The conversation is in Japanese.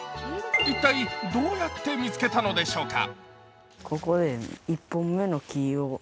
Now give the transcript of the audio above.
一体どうやって見つけたのでしょうか。